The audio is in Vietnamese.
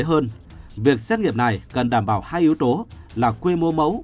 tuy nhiên việc xét nghiệm này cần đảm bảo hai yếu tố là quy mô mẫu